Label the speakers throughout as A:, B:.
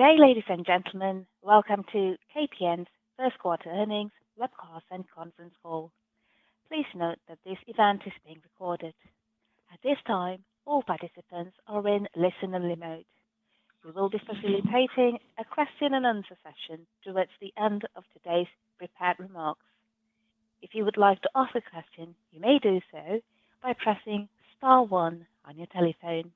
A: Good day, ladies and gentlemen. Welcome to KPN's First Quarter Earnings Webcast and Conference Call. Please note that this event is being recorded. At this time, all participants are in listen-only mode. We will be facilitating a question-and-answer session towards the end of today's prepared remarks. If you would like to ask a question, you may do so by pressing star one on your telephone.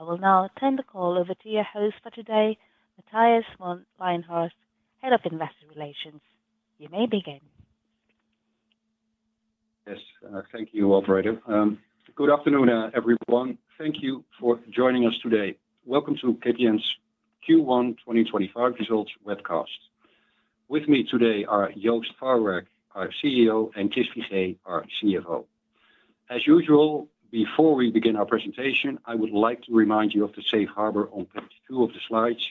A: I will now turn the call over to your host for today, Matthijs van Leijenhorst, Head of Investor Relations. You may begin.
B: Yes, thank you, Operator. Good afternoon, everyone. Thank you for joining us today. Welcome to KPN's Q1 2025 Results Webcast. With me today are Joost Farwerck, our CEO, and Chris Figee, our CFO. As usual, before we begin our presentation, I would like to remind you of the safe harbor on page two of the slides,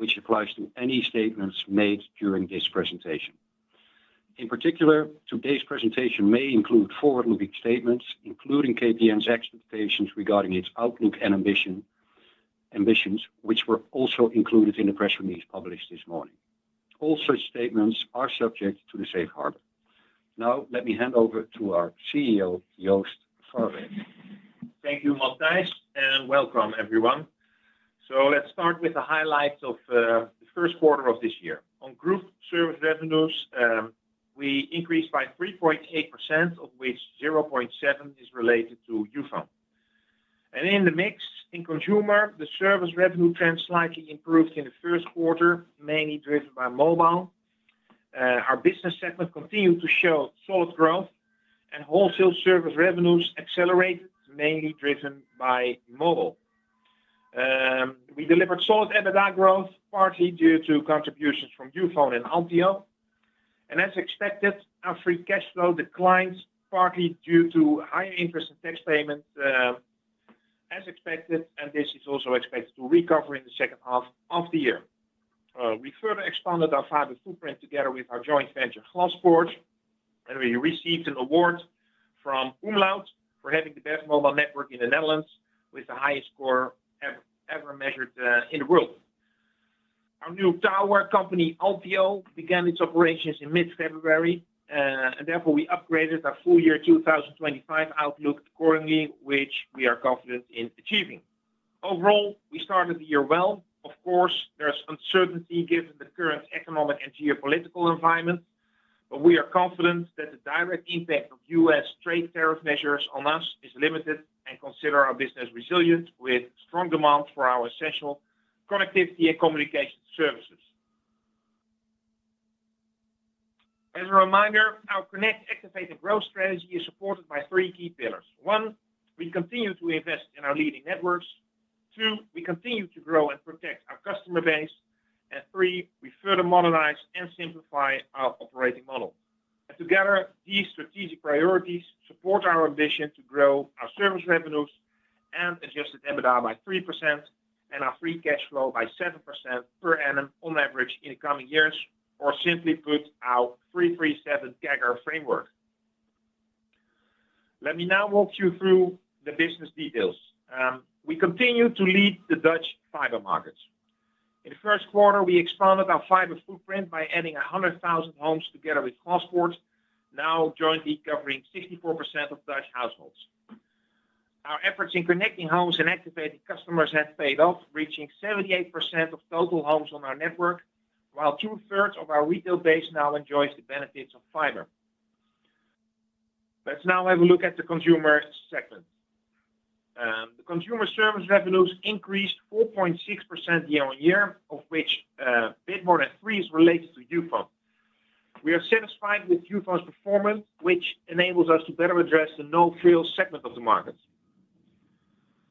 B: which applies to any statements made during this presentation. In particular, today's presentation may include forward-looking statements, including KPN's expectations regarding its outlook and ambitions, which were also included in the press release published this morning. All such statements are subject to the safe harbor. Now, let me hand over to our CEO, Joost Farwerck.
C: Thank you, Matthijs, and welcome, everyone. Let's start with the highlights of the first quarter of this year. On group service revenues, we increased by 3.8%, of which 0.7% is related to Youfone. In the mix, in Consumer, the service revenue trend slightly improved in the first quarter, mainly driven by mobile. Our business segment continued to show solid growth, and wholesale service revenues accelerated, mainly driven by mobile. We delivered solid EBITDA growth, partly due to contributions from Youfone and Althio. As expected, our free cash flow declined, partly due to higher interest and tax payment, as expected, and this is also expected to recover in the second half of the year. We further expanded our fiber footprint together with our joint venture, Glaspoort, and we received an award from Umlaut for having the best mobile network in the Netherlands, with the highest score ever measured in the world. Our new tower company, Althio, began its operations in mid-February, and therefore we upgraded our full year 2025 outlook accordingly, which we are confident in achieving. Overall, we started the year well. Of course, there is uncertainty given the current economic and geopolitical environment, but we are confident that the direct impact of U.S. trade tariff measures on us is limited and consider our business resilient with strong demand for our essential connectivity and communication services. As a reminder, our Connect, Activate & Grow Strategy is supported by three key pillars. One, we continue to invest in our leading networks. Two, we continue to grow and protect our customer base. We further modernize and simplify our operating model. Together, these strategic priorities support our ambition to grow our service revenues and adjusted EBITDA by 3% and our free cash flow by 7% per annum on average in the coming years, or simply put, our 3-3-7 CAGR framework. Let me now walk you through the business details. We continue to lead the Dutch fiber markets. In the first quarter, we expanded our fiber footprint by adding 100,000 homes together with Glaspoort, now jointly covering 64% of Dutch households. Our efforts in connecting homes and activating customers have paid off, reaching 78% of total homes on our network, while two-thirds of our retail base now enjoys the benefits of fiber. Let's now have a look at the consumer segment. The consumer service revenues increased 4.6% year-on-year, of which a bit more than three is related to Youfone. We are satisfied with Youfone's performance, which enables us to better address the no-frills segment of the market.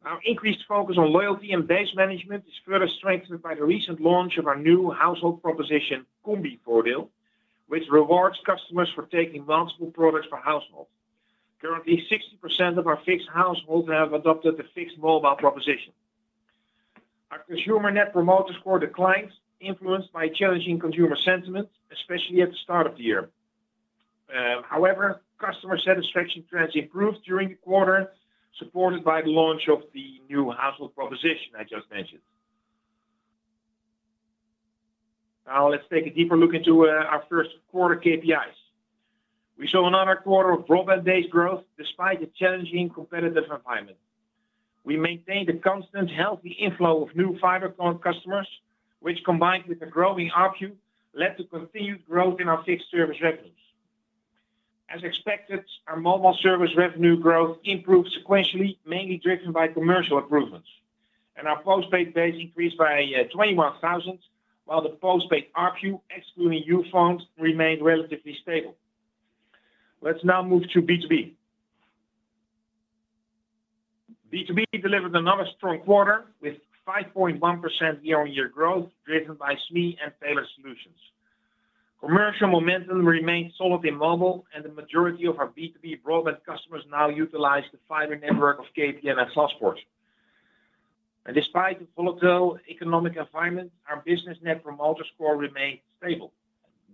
C: Our increased focus on loyalty and base management is further strengthened by the recent launch of our new household proposition, Combivoordeel, which rewards customers for taking multiple products per household. Currently, 60% of our fixed households have adopted the fixed mobile proposition. Our Consumer Net Promoter Score declined, influenced by challenging consumer sentiment, especially at the start of the year. However, customer satisfaction trends improved during the quarter, supported by the launch of the new household proposition I just mentioned. Now, let's take a deeper look into our first quarter KPIs. We saw another quarter of broadband-based growth despite a challenging competitive environment. We maintained a constant, healthy inflow of new fiber customers, which, combined with a growing ARPU, led to continued growth in our fixed service revenues. As expected, our mobile service revenue growth improved sequentially, mainly driven by commercial improvements, and our postpaid base increased by 21,000, while the postpaid ARPU, excluding Youfone, remained relatively stable. Let's now move to B2B. B2B delivered another strong quarter with 5.1% year-on-year growth, driven by SME and Tailored Solutions. commercial momentum remained solid in mobile, and the majority of our B2B broadband customers now utilize the fiber network of KPN and Glaspoort. Despite the volatile economic environment, our Business Net Promoter Score remained stable.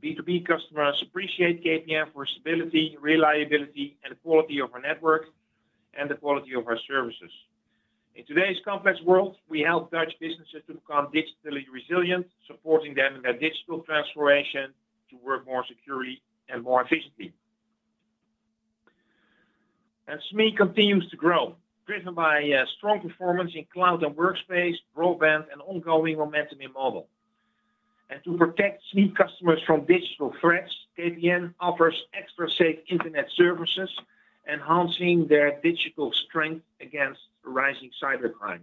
C: B2B customers appreciate KPN for stability, reliability, and the quality of our network and the quality of our services. In today's complex world, we help Dutch businesses to become digitally resilient, supporting them in their digital transformation to work more securely and more efficiently. SME continues to grow, driven by strong performance in cloud and workspace, broadband, and ongoing momentum in mobile. To protect SME customers from digital threats, KPN offers Extra Safe Internet services, enhancing their digital strength against rising cybercrime.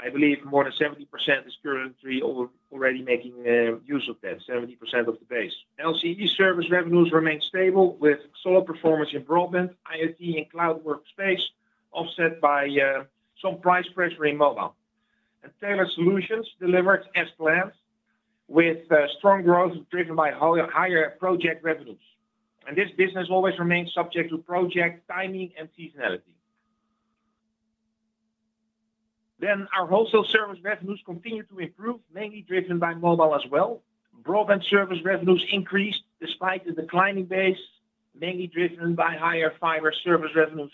C: I believe more than 70% is currently already making use of that, 70% of the base. LCE service revenues remain stable with solid performance in broadband, IoT, and cloud workspace, offset by some price pressure in Tailored Solutions delivered as planned, with strong growth driven by higher project revenues. This business always remains subject to project timing and seasonality. Our wholesale service revenues continue to improve, mainly driven by mobile as well. Broadband service revenues increased despite the declining base, mainly driven by higher fiber service revenues.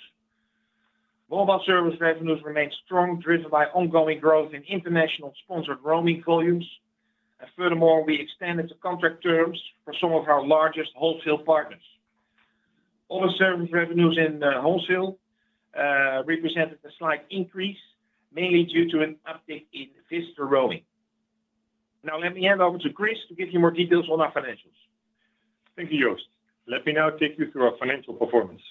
C: Mobile service revenues remain strong, driven by ongoing growth in international sponsored roaming volumes. Furthermore, we extended the contract terms for some of our largest wholesale partners. Other service revenues in wholesale represented a slight increase, mainly due to an uptick in visitor roaming. Now, let me hand over to Chris to give you more details on our financials.
D: Thank you, Joost. Let me now take you through our financial performance.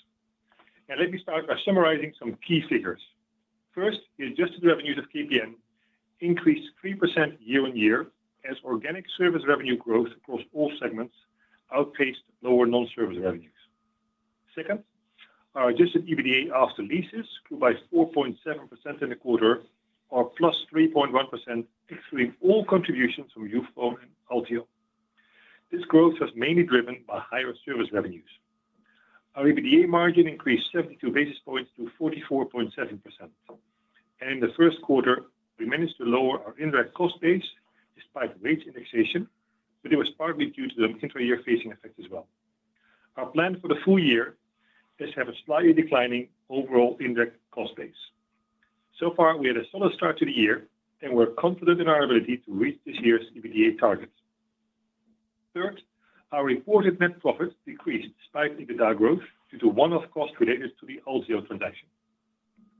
D: Let me start by summarizing some key figures. First, the adjusted revenues of KPN increased 3% year-on-year as organic service revenue growth across all segments outpaced lower non-service revenues. Second, our adjusted EBITDA after leases grew by 4.7% in the quarter, or +3.1%, excluding all contributions from Youfone and Althio. This growth was mainly driven by higher service revenues. Our EBITDA margin increased 72 basis points to 44.7%. In the first quarter, we managed to lower our indirect cost base despite rate indexation, but it was partly due to the inter-year phasing effect as well. Our plan for the full year is to have a slightly declining overall indirect cost base. So far, we had a solid start to the year, and we're confident in our ability to reach this year's EBITDA target. Third, our reported net profit decreased despite EBITDA growth due to one-off costs related to the Althio transaction.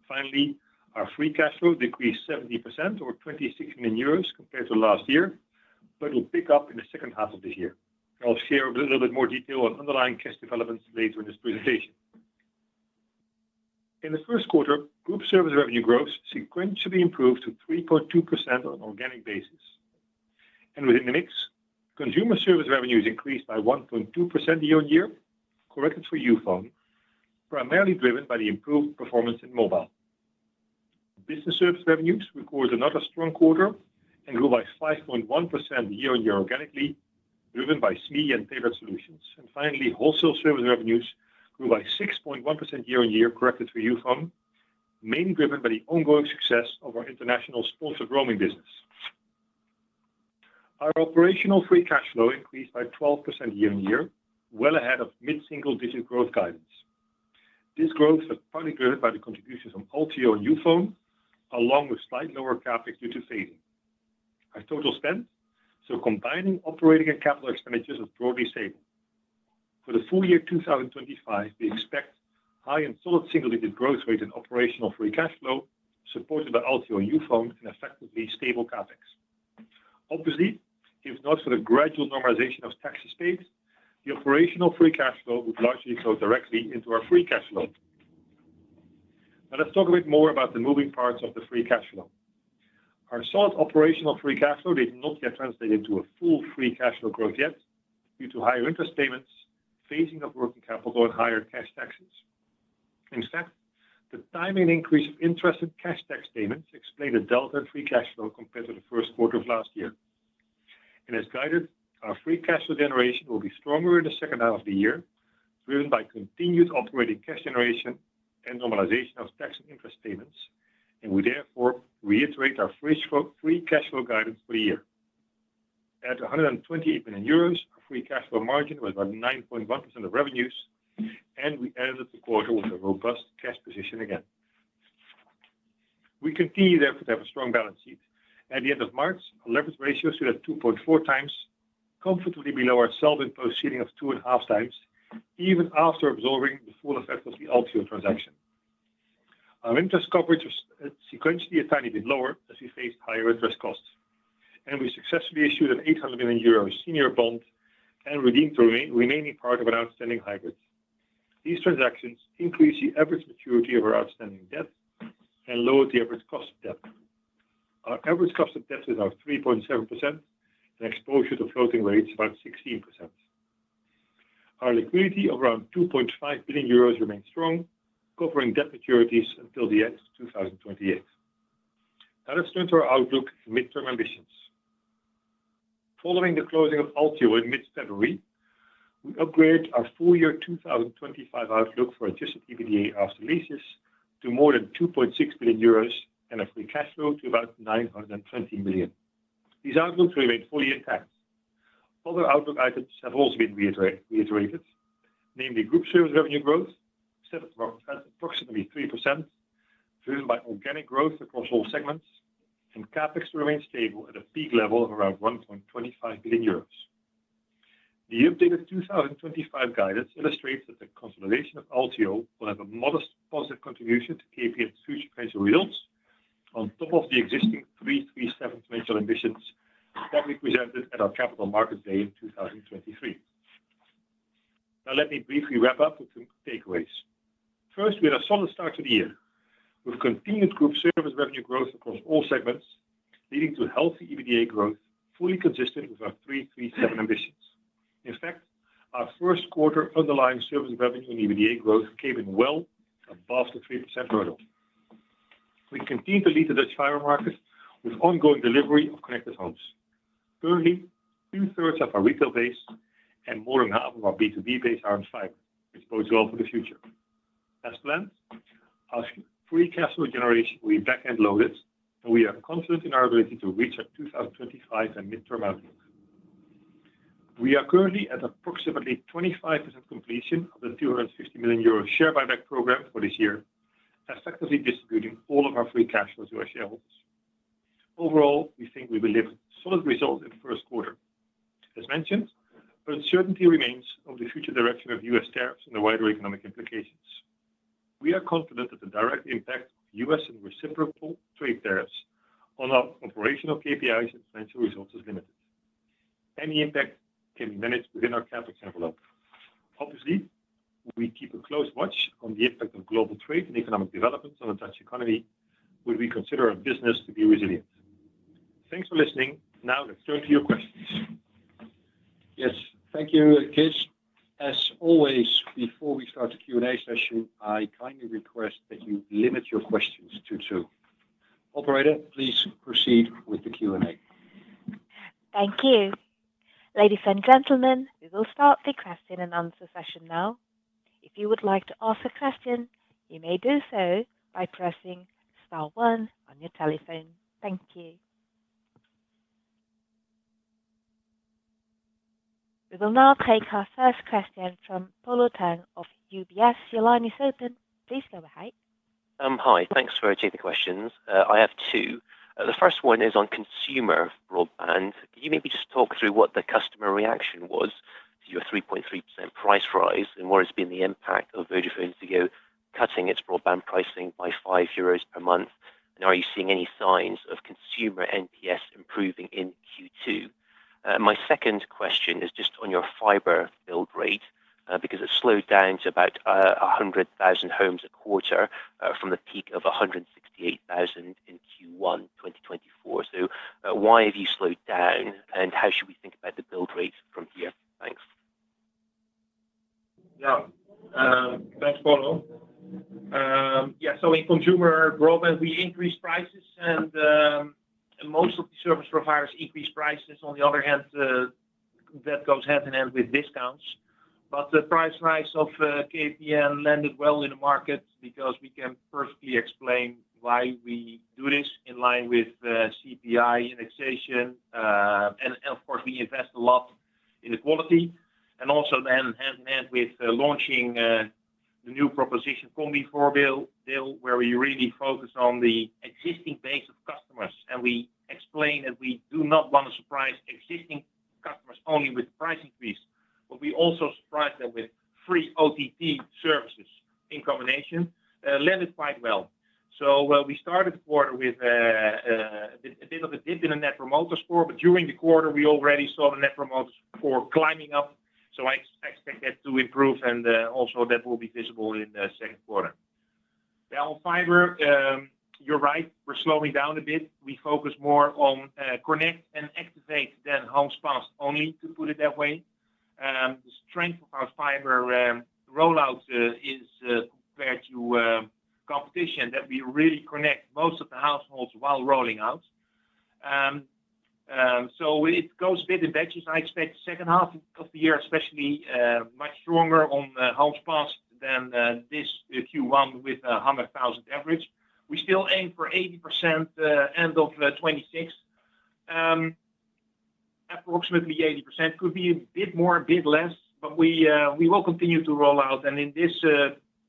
D: Finally, our free cash flow decreased 70%, or 26 million euros, compared to last year, but will pick up in the second half of this year. I'll share a little bit more detail on underlying cash developments later in this presentation. In the first quarter, group service revenue growth sequentially improved to 3.2% on an organic basis. Within the mix, consumer service revenues increased by 1.2% year-on-year, corrected for Youfone, primarily driven by the improved performance in mobile. Business service revenues recorded another strong quarter and grew by 5.1% year-on-year organically, driven by SME Tailored Solutions. finally, wholesale service revenues grew by 6.1% year-on-year, corrected for Youfone, mainly driven by the ongoing success of our international sponsored roaming business. Our operational free cash flow increased by 12% year-on-year, well ahead of mid-single-digit growth guidance. This growth was partly driven by the contributions from Althio and Youfone, along with slight lower CapEx due to phasing. Our total spend, combining operating and capital expenditures, was broadly stable. For the full year 2025, we expect high and solid single-digit growth rate in operational free cash flow, supported by Althio and Youfone, and effectively stable CapEx. Obviously, if not for the gradual normalization of tax base, the operational free cash flow would largely flow directly into our free cash flow. Now, let's talk a bit more about the moving parts of the free cash flow. Our solid operational free cash flow did not yet translate into a full free cash flow growth yet due to higher interest payments, phasing of working capital, and higher cash taxes. In fact, the timing increase of interest and cash tax payments explained a delta in free cash flow compared to the first quarter of last year. As guided, our free cash flow generation will be stronger in the second half of the year, driven by continued operating cash generation and normalization of tax and interest payments, and we therefore reiterate our free cash flow guidance for the year. At 128 million euros, our free cash flow margin was about 9.1% of revenues, and we ended the quarter with a robust cash position again. We continue therefore to have a strong balance sheet. At the end of March, our leverage ratio stood at 2.4 times, comfortably below our self-imposed ceiling of 2.5 times, even after absorbing the full effect of the Althio transaction. Our interest coverage was sequentially a tiny bit lower as we faced higher interest costs. We successfully issued an 800 million euro senior bond and redeemed the remaining part of our outstanding hybrids. These transactions increased the average maturity of our outstanding debt and lowered the average cost of debt. Our average cost of debt was about 3.7% and exposure to floating rates about 16%. Our liquidity of around 2.5 billion euros remained strong, covering debt maturities until the end of 2028. Now, let's turn to our outlook and midterm ambitions. Following the closing of Althio in mid-February, we upgraded our full year 2025 outlook for adjusted EBITDA after leases to more than 2.6 billion euros and our free cash flow to about 920 million. These outlooks remain fully intact. Other outlook items have also been reiterated, namely group service revenue growth, set at approximately 3%, driven by organic growth across all segments, and CapEx to remain stable at a peak level of around 1.25 billion euros. The updated 2025 guidance illustrates that the consolidation of Althio will have a modest positive contribution to KPN's future financial results, on top of the existing 3-3-7 financial ambitions that we presented at our capital markets day in 2023. Now, let me briefly wrap up with some takeaways. First, we had a solid start to the year with continued group service revenue growth across all segments, leading to healthy EBITDA growth, fully consistent with our 3-3-7 ambitions. In fact, our first quarter underlying service revenue and EBITDA growth came in well above the 3% hurdle. We continue to lead the Dutch fiber market with ongoing delivery of connected homes. Currently, two-thirds of our retail base and more than half of our B2B base are on fiber, which bodes well for the future. As planned, our free cash flow generation will be back-end loaded, and we are confident in our ability to reach our 2025 and midterm outlook. We are currently at approximately 25% completion of the 250 million euro share buyback program for this year, effectively distributing all of our free cash flow to our shareholders. Overall, we think we will deliver solid results in the first quarter. As mentioned, uncertainty remains over the future direction of U.S. tariffs and the wider economic implications. We are confident that the direct impact of U.S. and reciprocal trade tariffs on our operational KPIs and financial results is limited. Any impact can be managed within our CapEx envelope. Obviously, we keep a close watch on the impact of global trade and economic developments on the Dutch economy, which we consider our business to be resilient. Thanks for listening. Now, let's turn to your questions.
B: Yes, thank you, Chris. As always, before we start the Q&A session, I kindly request that you limit your questions to two. Operator, please proceed with the Q&A.
A: Thank you. Ladies and gentlemen, we will start the question and answer session now. If you would like to ask a question, you may do so by pressing star one on your telephone. Thank you. We will now take our first question from Polo Tang of UBS. Your line is open. Please go ahead.
E: Hi, thanks for taking the questions. I have two. The first one is on consumer broadband. Can you maybe just talk through what the customer reaction was to your 3.3% price rise and what has been the impact of VodafoneZiggo cutting its broadband pricing by 5 euros per month? Are you seeing any signs of consumer NPS improving in Q2? My second question is just on your fiber build rate, because it slowed down to about 100,000 homes a quarter from the peak of 168,000 in Q1 2024. Why have you slowed down, and how should we think about the build rate from here? Thanks.
C: Yeah, thanks, Polo. Yeah, so in consumer broadband, we increased prices, and most of the service providers increased prices. On the other hand, that goes hand in hand with discounts. The price rise of KPN landed well in the market because we can perfectly explain why we do this in line with CPI indexation. Of course, we invest a lot in the quality and also then hand in hand with launching the new proposition, Combivoordeel, where we really focus on the existing base of customers. We explain that we do not want to surprise existing customers only with the price increase, but we also surprise them with free OTT services in combination. Landed quite well. We started the quarter with a bit of a dip in the net promoter score, but during the quarter, we already saw the net promoter score climbing up. I expect that to improve, and also that will be visible in the second quarter. Now, fiber, you're right, we're slowing down a bit. We focus more on connect and activate than homes passed, only to put it that way. The strength of our fiber rollout is compared to competition that we really connect most of the households while rolling out. It goes a bit in batches. I expect the second half of the year, especially much stronger on homes passed than this Q1 with 100,000 average. We still aim for 80% end of 2026. Approximately 80% could be a bit more, a bit less, but we will continue to roll out. In this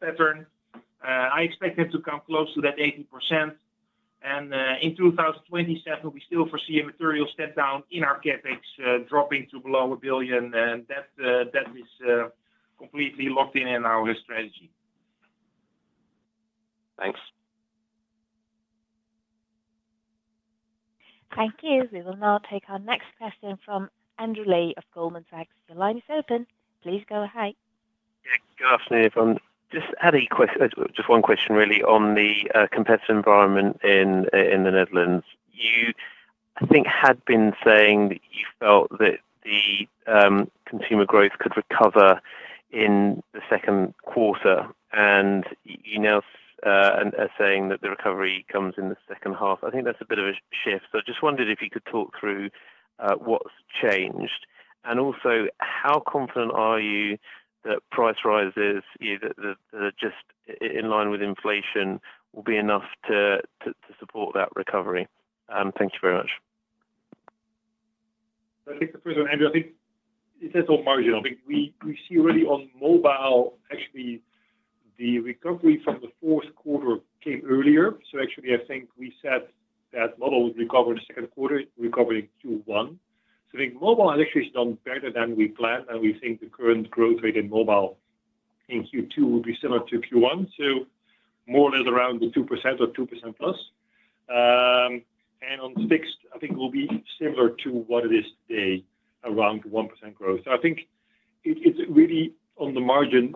C: pattern, I expect it to come close to that 80%. In 2027, we still foresee a material step down in our CapEx dropping to below 1 billion. That is completely locked in in our strategy.
E: Thanks.
A: Thank you. We will now take our next question from Andrew Lee of Goldman Sachs. Your line is open. Please go ahead.
F: Yeah, go ahead, Steve. Just adding a question, just one question really on the competitive environment in the Netherlands. You, I think, had been saying that you felt that the consumer growth could recover in the second quarter, and you now are saying that the recovery comes in the second half. I think that's a bit of a shift. I just wondered if you could talk through what's changed. Also, how confident are you that price rises that are just in line with inflation will be enough to support that recovery? Thank you very much.
D: Thank you for the question, Andrew. I think it's all marginal. We see already on mobile, actually, the recovery from the fourth quarter came earlier. Actually, I think we said that mobile would recover in the second quarter, recovering Q1. I think mobile has actually done better than we planned, and we think the current growth rate in mobile in Q2 would be similar to Q1, so more or less around the 2% or 2% plus. On fixed, I think it will be similar to what it is today, around 1% growth. I think it's really on the margin.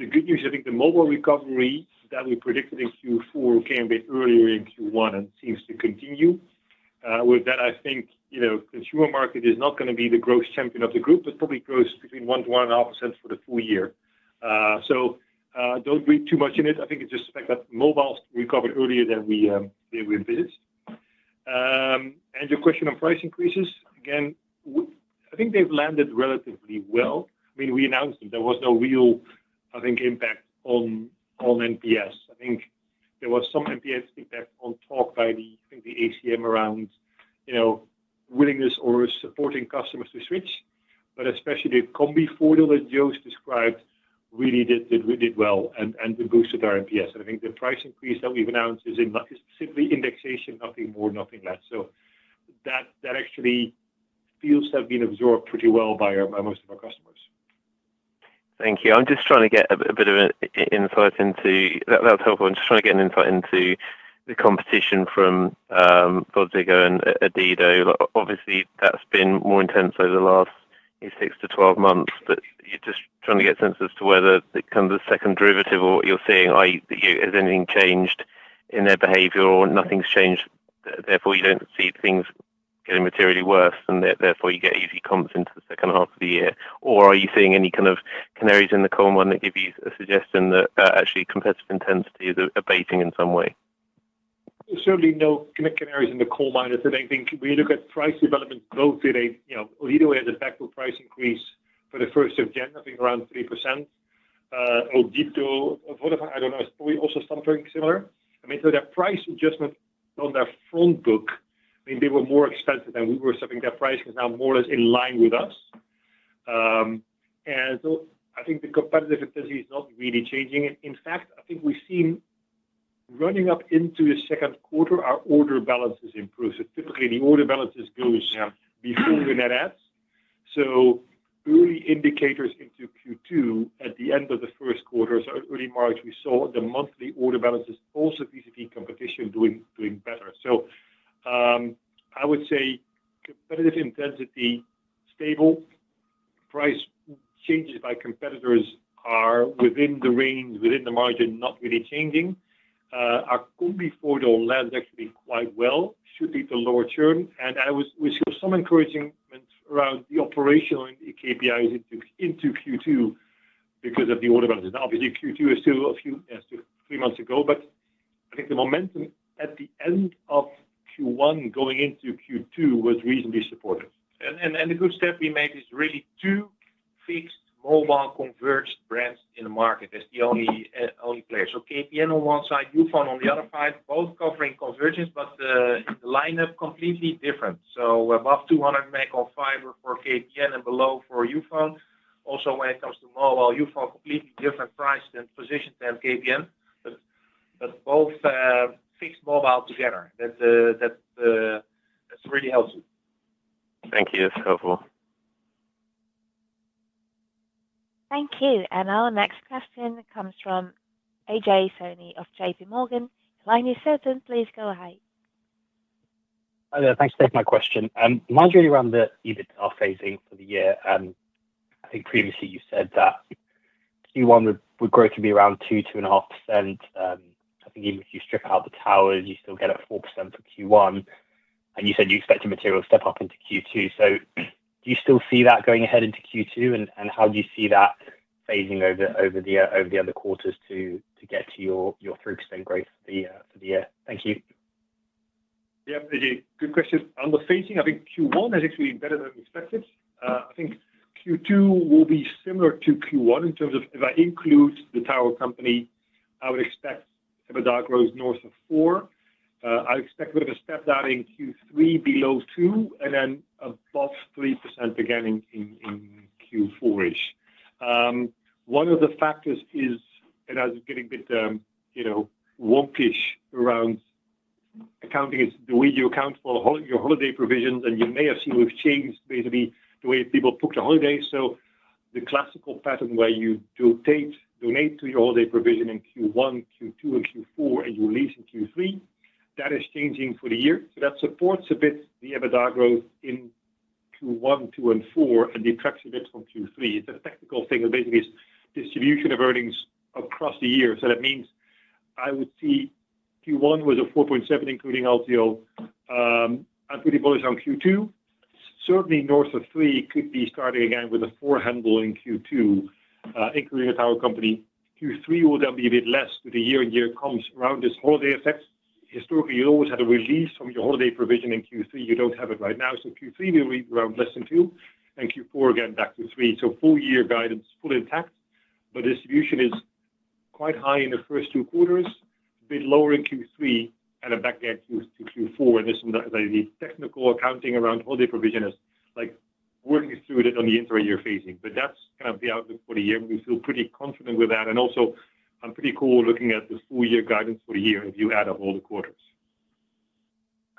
D: The good news is I think the mobile recovery that we predicted in Q4 came a bit earlier in Q1 and seems to continue. With that, I think the consumer market is not going to be the growth champion of the group, but probably grows between 1%-1.5% for the full year. Do not read too much in it. I think it is just the fact that mobile recovered earlier than we anticipated. Your question on price increases, again, I think they have landed relatively well. I mean, we announced that there was no real, I think, impact on NPS. I think there was some NPS impact on talk by the, I think, the ACM around willingness or supporting customers to switch. Especially the Combivoordeel that Joost described really did well and boosted our NPS. I think the price increase that we have announced is simply indexation, nothing more, nothing less. That actually feels has been absorbed pretty well by most of our customers.
F: Thank you. I'm just trying to get a bit of an insight into that's helpful. I'm just trying to get an insight into the competition from VodafoneZiggo and Odido. Obviously, that's been more intense over the last 6 to 12 months, but just trying to get a sense as to whether the kind of the second derivative or what you're seeing, is anything changed in their behavior or nothing's changed, therefore you don't see things getting materially worse and therefore you get easy comps into the second half of the year. Or are you seeing any kind of canaries in the coal mine that give you a suggestion that actually competitive intensity is abating in some way?
D: Certainly no canaries in the coal mine. I think when you look at price development growth today, Odido has a backward price increase for the first of January, I think around 3%. Odido, I don't know, is probably also something similar. I mean, so that price adjustment on their front book, I mean, they were more expensive than we were, something that price is now more or less in line with us. I think the competitive intensity is not really changing. In fact, I think we've seen running up into the second quarter, our order balances improve. Typically, the order balances go before the net adds. Early indicators into Q2 at the end of the first quarter, so early March, we saw the monthly order balances also vis-à-vis competition doing better. I would say competitive intensity stable, price changes by competitors are within the range, within the margin, not really changing. Our Combivoordeel lands actually quite well, should lead to lower churn. We saw some encouragement around the operational KPIs into Q2 because of the order balances. Now, obviously, Q2 is still a few months ago, but I think the momentum at the end of Q1 going into Q2 was reasonably supportive.
C: The good step we made is really two fixed mobile converged brands in the market as the only players. KPN on one side, Youfone on the other side, both covering convergence, but the lineup completely different. Above 200 meg on fiber for KPN and below for Youfone. Also, when it comes to mobile, Youfone completely different price and position than KPN, but both fixed mobile together. That's really helpful.
F: Thank you. That's helpful.
A: Thank you. Our next question comes from Ajay Soni of JPMorgan. Your line is open. Please go ahead.
G: Thanks for taking my question. Mind you, around the EBITDA phasing for the year, I think previously you said that Q1 would grow to be around 2%-2.5%. I think even if you strip out the towers, you still get a 4% for Q1. You said you expect your material to step up into Q2. Do you still see that going ahead into Q2? How do you see that phasing over the other quarters to get to your 3% growth for the year? Thank you.
D: Yeah, good question. On the phasing, I think Q1 has actually been better than expected. I think Q2 will be similar to Q1 in terms of if I include the tower company, I would expect some of that grows north of 4%. I expect a bit of a step down in Q3 below 2% and then above 3% again in Q4-ish. One of the factors is, and as we're getting a bit wonkish around accounting, it's the way you account for your holiday provisions, and you may have seen we've changed basically the way people booked the holidays. The classical pattern where you donate to your holiday provision in Q1, Q2, and Q4, and you release in Q3, that is changing for the year. That supports a bit the EBITDA growth in Q1, Q2, and Q4, and detracts a bit from Q3. It's a technical thing. It basically is distribution of earnings across the year. That means I would see Q1 was 4.7, including Althio. I'm pretty bullish on Q2. Certainly, north of three could be starting again with a four handle in Q2, including a tower company. Q3 will then be a bit less with the year-on-year comps around this holiday effect. Historically, you always had a release from your holiday provision in Q3. You don't have it right now. Q3 will be around less than two, and Q4 again back to three. Full year guidance, full intact. Distribution is quite high in the first two quarters, a bit lower in Q3, and then back again to Q4. This is the technical accounting around holiday provision is working through it on the inter-year phasing. That's kind of the outlook for the year. We feel pretty confident with that. I'm pretty cool looking at the full year guidance for the year if you add up all the quarters.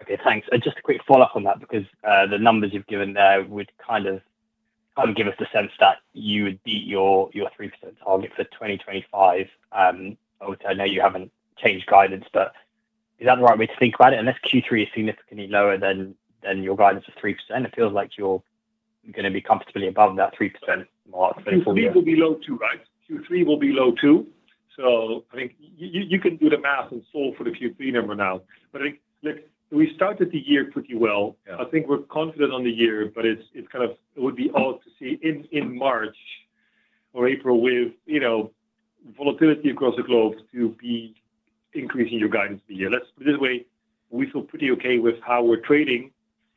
G: Okay, thanks. Just a quick follow-up on that, because the numbers you've given there would kind of give us the sense that you would beat your 3% target for 2025. I would say I know you haven't changed guidance, but is that the right way to think about it? Unless Q3 is significantly lower than your guidance of 3%, it feels like you're going to be comfortably above that 3% mark.
D: Q3 will be low too, right? Q3 will be low too. I think you can do the math and solve for the Q3 number now. I think we started the year pretty well. I think we're confident on the year, but it would be odd to see in March or April with volatility across the globe to be increasing your guidance for the year. Let's put it this way. We feel pretty okay with how we're trading,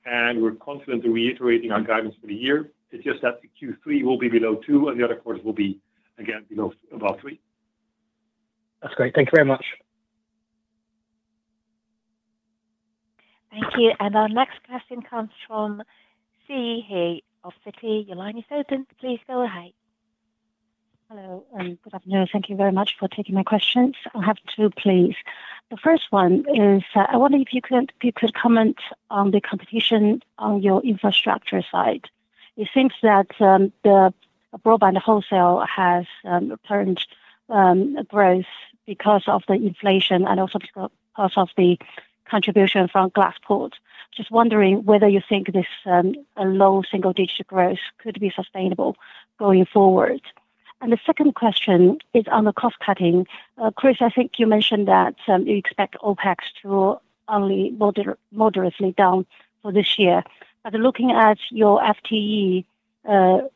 D: and we're confident in reiterating our guidance for the year. It's just that Q3 will be below two, and the other quarters will be again below about three.
G: That's great. Thank you very much.
A: Thank you. Our next question comes from Siyi He of Citi. Your line is open. Please go ahead.
H: Hello, and good afternoon. Thank you very much for taking my questions. I'll have two, please. The first one is I wonder if you could comment on the competition on your infrastructure side. It seems that the broadband wholesale has returned growth because of the inflation and also because of the contribution from Glaspoort. Just wondering whether you think this low single-digit growth could be sustainable going forward. The second question is on the cost cutting. Chris, I think you mentioned that you expect OPEX to only moderately down for this year. Looking at your FTE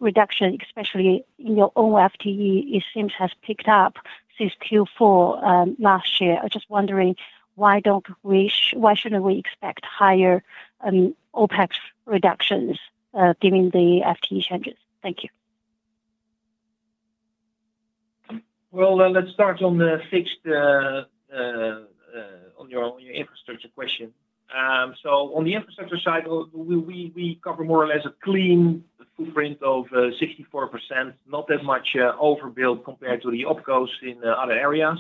H: reduction, especially in your own FTE, it seems has picked up since Q4 last year. I'm just wondering, why shouldn't we expect higher OPEX reductions given the FTE changes? Thank you.
C: Let's start on the fixed on your infrastructure question. On the infrastructure side, we cover more or less a clean footprint of 64%, not that much overbuilt compared to the OpCos in other areas.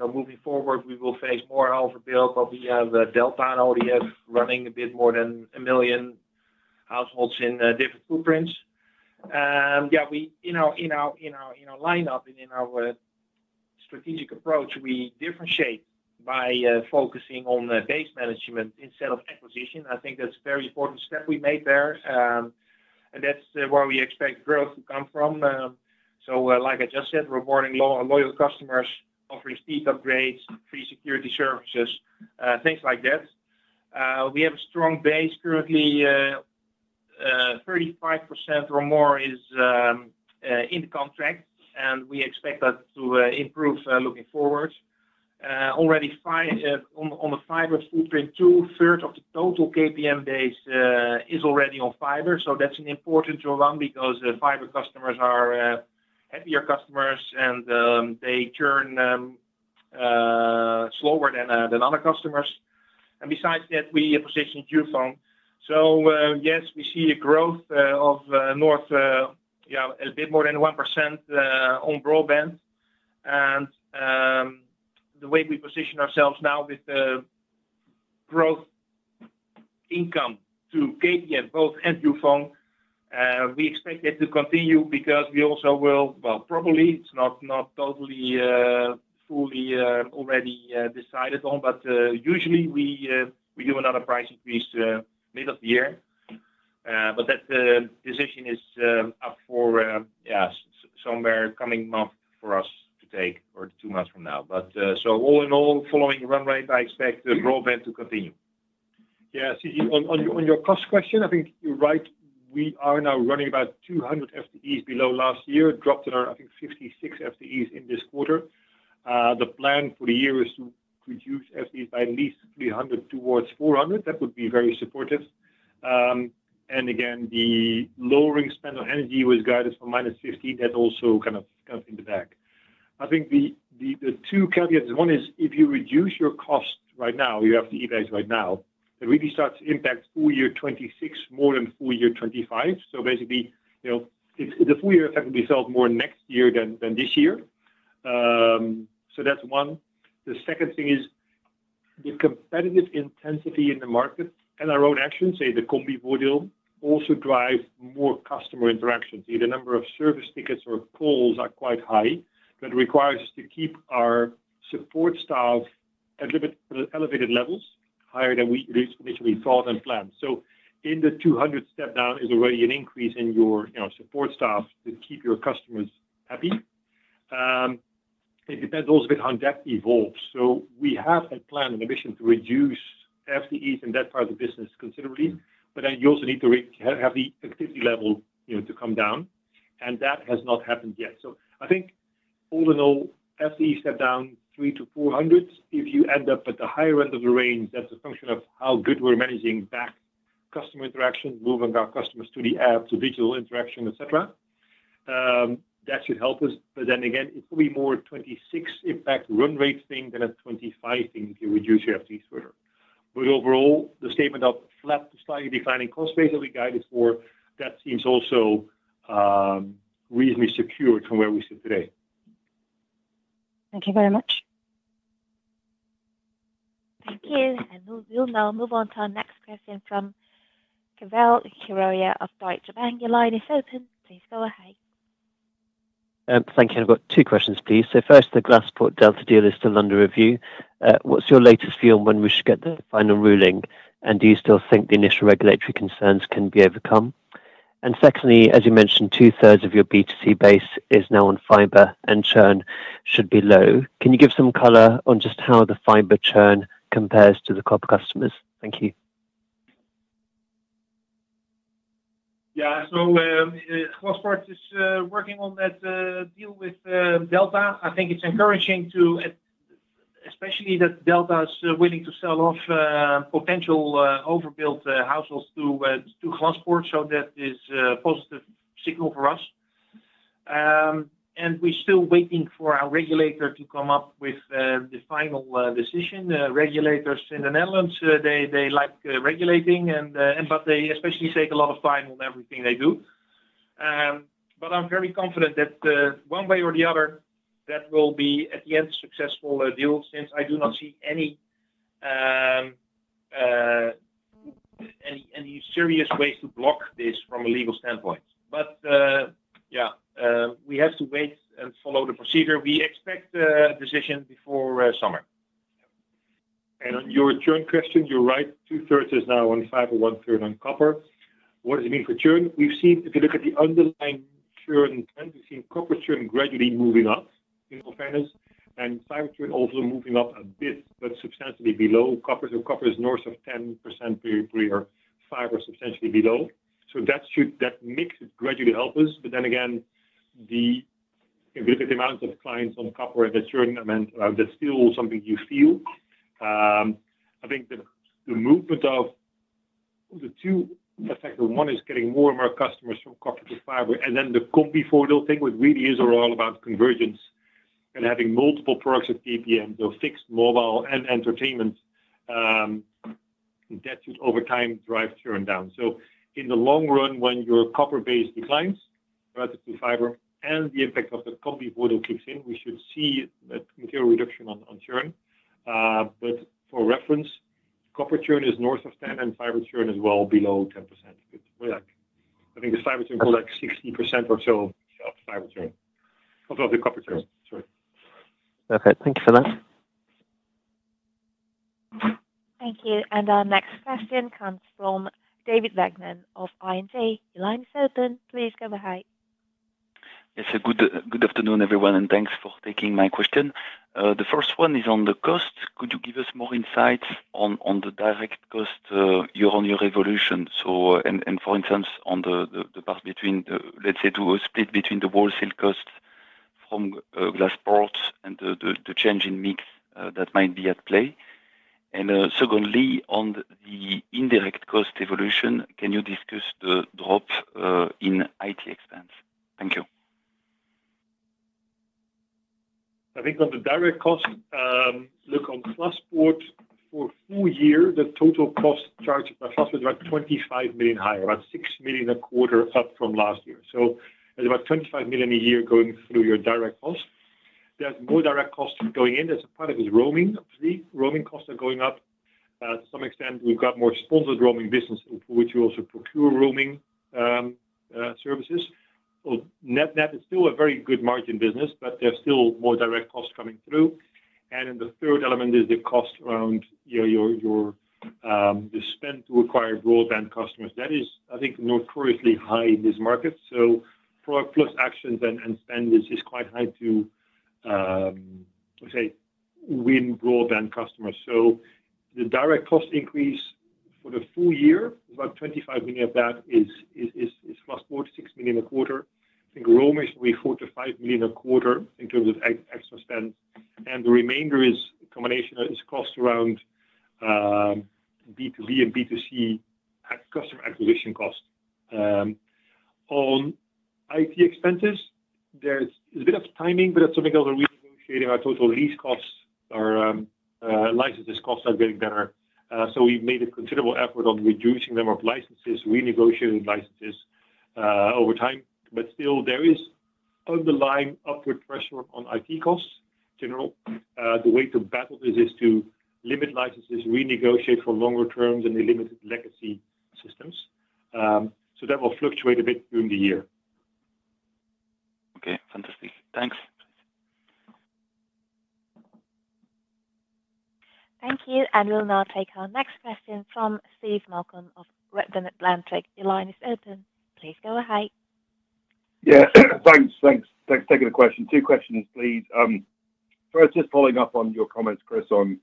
C: Moving forward, we will face more overbuilt, but we have DELTA and ODF running a bit more than 1 million households in different footprints. In our lineup and in our strategic approach, we differentiate by focusing on base management instead of acquisition. I think that's a very important step we made there. That's where we expect growth to come from. Like I just said, rewarding loyal customers, offering speed upgrades, free security services, things like that. We have a strong base currently. 35% or more is in the contract, and we expect that to improve looking forward. Already on the fiber footprint, two-thirds of the total KPN base is already on fiber. That's an important draw on because fiber customers are heavier customers, and they churn slower than other customers. Besides that, we positioned Youfone. Yes, we see a growth of north, yeah, a bit more than 1% on broadband. The way we position ourselves now with the growth income to KPN, both and Youfone, we expect it to continue because we also will, probably it's not totally fully already decided on, but usually we do another price increase mid of the year. That decision is up for, yeah, somewhere coming month for us to take or two months from now. All in all, following the runway, I expect broadband to continue.
D: Yeah, on your cost question, I think you're right. We are now running about 200 FTEs below last year, dropped in our, I think, 56 FTEs in this quarter. The plan for the year is to reduce FTEs by at least 300 towards 400. That would be very supportive. Again, the lowering spend on energy was guided from minus 15%. That is also kind of in the back. I think the two caveats, one is if you reduce your cost right now, you have the EBITDA right now, it really starts to impact full year 2026 more than full year 2025. Basically, the full year effect will be felt more next year than this year. That is one. The second thing is the competitive intensity in the market and our own actions, say the Combivoordeel, also drives more customer interaction. The number of service tickets or calls are quite high, but it requires us to keep our support staff at elevated levels, higher than we initially thought and planned. In the 200 step down is already an increase in your support staff to keep your customers happy. It depends also a bit on how that evolves. We have a plan and a mission to reduce FTEs in that part of the business considerably, but then you also need to have the activity level come down, and that has not happened yet. I think all in all, FTE step down 300-400. If you end up at the higher end of the range, that's a function of how good we're managing back customer interaction, moving our customers to the app, to digital interaction, etc. That should help us. Then again, it's probably more a 2026 impact run rate thing than a 2025 thing if you reduce your FTEs further. Overall, the statement of flat to slightly declining cost base that we guided for, that seems also reasonably secured from where we sit today.
H: Thank you very much.
A: Thank you. We will now move on to our next question from Keval Khiroya of Deutsche Bank. Your line is open. Please go ahead.
I: Thank you. I've got two questions, please. First, the Glaspoort DELTA deal is still under review. What's your latest view on when we should get the final ruling? Do you still think the initial regulatory concerns can be overcome? Secondly, as you mentioned, two-thirds of your B2C base is now on fiber, and churn should be low. Can you give some color on just how the fiber churn compares to the copper customers? Thank you.
C: Yeah, Glaspoort is working on that deal with DELTA. I think it's encouraging, especially that DELTA is willing to sell off potential overbuilt households to Glaspoort, so that is a positive signal for us. We're still waiting for our regulator to come up with the final decision. Regulators in the Netherlands, they like regulating, but they especially take a lot of time on everything they do. I'm very confident that one way or the other, that will be at the end a successful deal since I do not see any serious ways to block this from a legal standpoint. We have to wait and follow the procedure. We expect a decision before summer.
D: On your churn question, you're right. Two-thirds is now on fiber, one-third on copper. What does it mean for churn? We've seen, if you look at the underlying churn trend, we've seen copper churn gradually moving up in comparisons, and fiber churn also moving up a bit, but substantially below copper. Copper is north of 10% per year, fiber substantially below. That makes it gradually help us. If you look at the amount of clients on copper and the churn amount, that's still something you feel. I think the movement of the two effects, one is getting more and more customers from copper to fiber, and then the Combivoordeel thing, which really is all about convergence and having multiple products of KPN, so fixed, mobile, and entertainment, that should over time drive churn down. In the long run, when your copper base declines, relative to fiber, and the impact of the Combivoordeel kicks in, we should see material reduction on churn. For reference, copper churn is north of 10%, and fiber churn is well below 10%. I think the fiber churn is like 60% or so of the copper churn.
I: Okay, thank you for that.
A: Thank you. Our next question comes from David Vagman of ING. Your line is open. Please go ahead.
J: Yes, good afternoon, everyone, and thanks for taking my question. The first one is on the cost. Could you give us more insights on the direct cost, your evolution? For instance, on the path between, let's say, to a split between the wholesale cost from Glaspoort and the change in mix that might be at play. Secondly, on the indirect cost evolution, can you discuss the drop in IT expense? Thank you.
D: I think on the direct cost, look on Glaspoort for full year, the total cost charged by Glaspoort is about 25 million higher, about 6 million a quarter up from last year. There is about 25 million a year going through your direct cost. There is more direct cost going in. There is a part of it is roaming. Roaming costs are going up. To some extent, we have got more sponsored roaming business, which you also procure roaming services. Net-net is still a very good margin business, but there is still more direct costs coming through. The third element is the cost around the spend to acquire broadband customers. That is, I think, notoriously high in this market. Product plus actions and spend is quite high to, I would say, win broadband customers. The direct cost increase for the full year, about 25 million of that is Glaspoort, 6 million in a quarter. I think roaming is probably 4 million-5 million in a quarter in terms of extra spend. The remainder is a combination of cost around B2B and B2C customer acquisition cost. On IT expenses, there's a bit of timing, but that's something that we're renegotiating. Our total lease costs, our licenses costs are getting better. We have made a considerable effort on reducing the number of licenses, renegotiated licenses over time. There is still underlying upward pressure on IT costs in general. The way to battle this is to limit licenses, renegotiate for longer terms, and eliminate legacy systems. That will fluctuate a bit during the year.
J: Okay, fantastic. Thanks.
A: Thank you. We will now take our next question from Steve Malcolm of Redburn Atlantic. Your line is open. Please go ahead.
K: Yeah, thanks. Thanks for taking the question. Two questions, please. First, just following up on your comments, Chris, on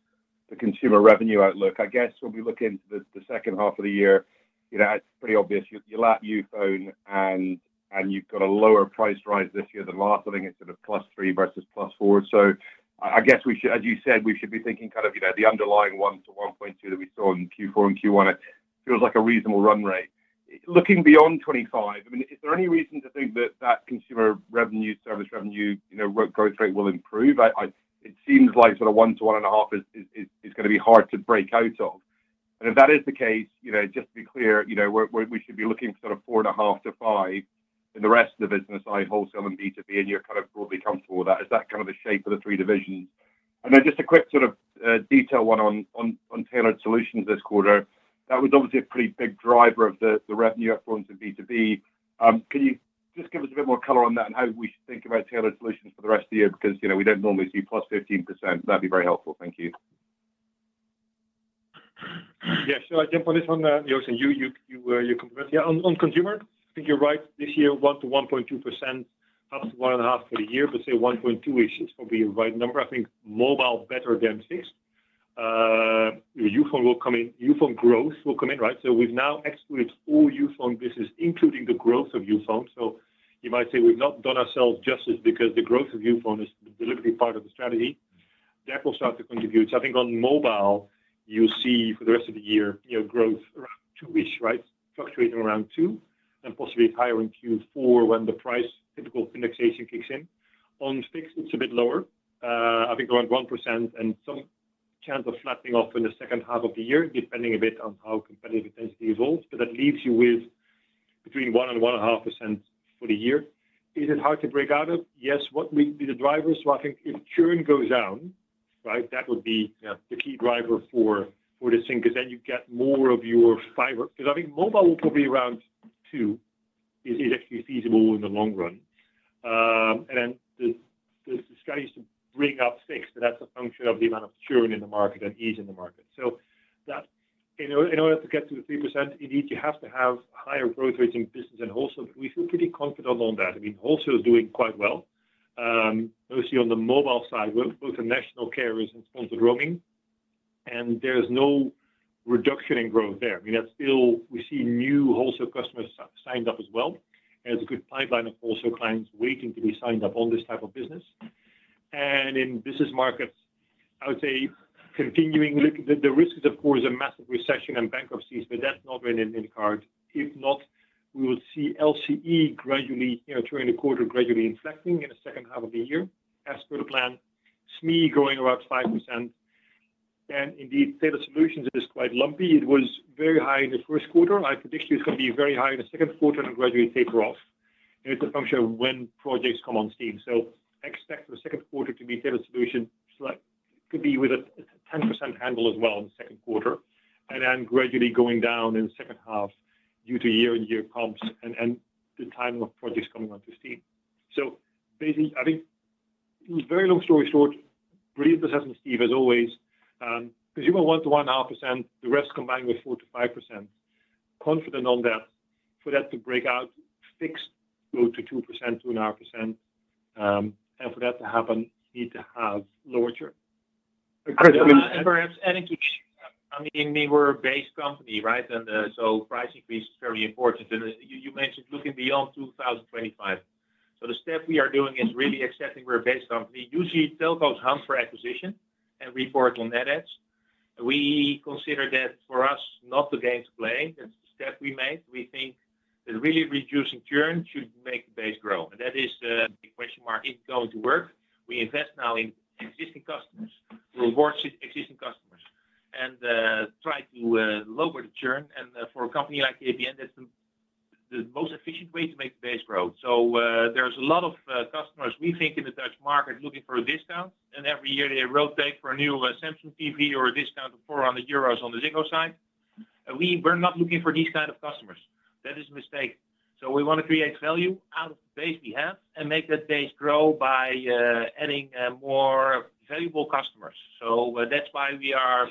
K: the consumer revenue outlook, I guess, when we look into the second half of the year, it's pretty obvious you're lapping Youfone, and you've got a lower price rise this year than last. I think it's sort of +3% versus +4%. I guess, as you said, we should be thinking kind of the underlying 1%-1.2% that we saw in Q4 and Q1. It feels like a reasonable run rate. Looking beyond 2025, I mean, is there any reason to think that that consumer revenue, service revenue, growth rate will improve? It seems like sort of 1%-1.5% is going to be hard to break out of. If that is the case, just to be clear, we should be looking for sort of 4.5%-5% in the rest of the business, i.e., wholesale and B2B, and you're kind of broadly comfortable with that. Is that kind of the shape of the three divisions? Just a quick sort of detail one Tailored Solutions this quarter. That was obviously a pretty big driver of the revenue upfront in B2B. Can you just give us a bit more color on that and how we should think Tailored Solutions for the rest of the year? Because we do not normally see +15%. That would be very helpful. Thank you.
D: Yeah, should I jump on this one? You're complimenting. Yeah, on consumer, I think you're right. This year, 1%-1.2%, up to 1.5% for the year, but say 1.2% is probably the right number. I think mobile better than fixed. Youfone will come in. Youfone growth will come in, right? So we've now excluded all Youfone business, including the growth of Youfone. So you might say we've not done ourselves justice because the growth of Youfone is a deliberate part of the strategy. That will start to contribute. I think on mobile, you'll see for the rest of the year, growth around two-ish, right? Fluctuating around 2% and possibly higher in Q4 when the price typical indexation kicks in. On fixed, it's a bit lower. I think around 1% and some chance of flattening off in the second half of the year, depending a bit on how competitive intensity evolves. That leaves you with between 1% and 1.5% for the year. Is it hard to break out of? Yes. What will be the drivers? I think if churn goes down, right, that would be the key driver for the sink is then you get more of your fiber. I think mobile will probably be around 2% is actually feasible in the long run. The strategy is to bring up fixed, but that is a function of the amount of churn in the market and ease in the market. In order to get to the 3%, indeed, you have to have higher growth rates in business and wholesale, but we feel pretty confident on that. I mean, wholesale is doing quite well, mostly on the mobile side, both the national carriers and sponsored roaming. There's no reduction in growth there. I mean, we still see new wholesale customers signed up as well. It's a good pipeline of wholesale clients waiting to be signed up on this type of business. In business markets, I would say continuing, the risk is, of course, a massive recession and bankruptcies, but that's not written in the card. If not, we will see LCE gradually during the quarter, gradually inflecting in the second half of the year as per the plan. SME growing about 5%. Tailored Solutions is quite lumpy. It was very high in the first quarter. I predict it's going to be very high in the second quarter and gradually taper off. It's a function of when projects come on steam. Expect for the second quarter to be Tailored Solutions could be with a 10% handle as well in the second quarter. Then gradually going down in the second half due to year-on-year comps and the timing of projects coming onto steam. Basically, I think very long story short, brilliant assessment, Steve, as always. Consumer 1%-1.5%, the rest combined with 4%-5%. Confident on that. For that to break out, fixed go to 2%-2.5%. For that to happen, you need to have lower churn.
C: Perhaps adding to that, I mean, we're a base company, right? Price increase is very important. You mentioned looking beyond 2025. The step we are doing is really accepting we're a base company. Usually, telcos hunt for acquisition and report on that edge. We consider that for us not the game to play. That's the step we made. We think that really reducing churn should make the base grow. That is the big question mark. Is it going to work? We invest now in existing customers, reward existing customers, and try to lower the churn. For a company like KPN, that's the most efficient way to make the base grow. There are a lot of customers, we think, in the Dutch market looking for a discount. Every year, they rotate for a new Samsung TV or a discount of 400 euros on the Ziggo side. We're not looking for these kinds of customers. That is a mistake. We want to create value out of the base we have and make that base grow by adding more valuable customers. That is why we are,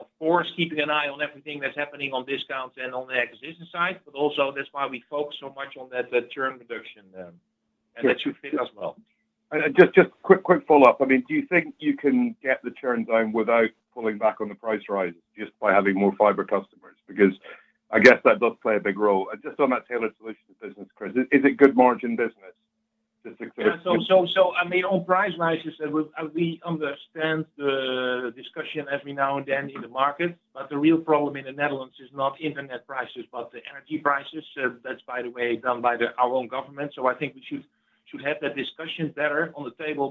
C: of course, keeping an eye on everything that's happening on discounts and on the acquisition side. Also, that is why we focus so much on that churn reduction and that should fit us well.
K: Just quick follow-up. I mean, do you think you can get the churn down without pulling back on the price rises just by having more fiber customers? Because I guess that does play a big role. Just on that Tailored Solution business, Chris, is it good margin business to sort of?
C: I mean, on price rises, we understand the discussion every now and then in the markets. The real problem in the Netherlands is not internet prices, but the energy prices. That is, by the way, done by our own government. I think we should have that discussion better on the table.